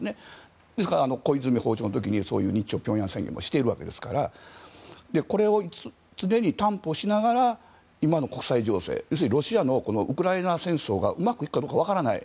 ですから、小泉訪朝の時にそういう日朝平壌宣言もしているわけですからこれを担保しながら今の国際情勢要するにロシアのウクライナ戦争がうまくいくかどうか分からない。